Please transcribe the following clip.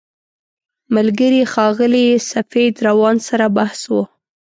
ملګري ښاغلي سفید روان سره بحث و.